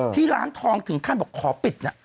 ที่ร้านทองถึงขั้นบอกขอปิดนะ